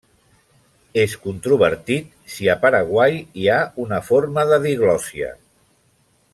És controvertit si a Paraguai hi ha una forma de diglòssia.